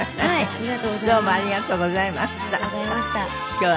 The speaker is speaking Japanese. ありがとうございます。